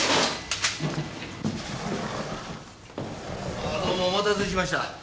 ああどうもお待たせしました。